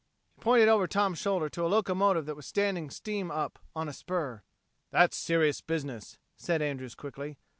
He pointed over Tom's shoulder to a locomotive that was standing, steam up, on a spur. "That's serious business," said Andrews quickly.